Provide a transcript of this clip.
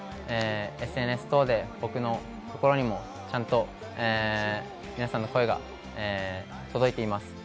ＳＮＳ等で僕のところにもちゃんと皆さんの声が届いています。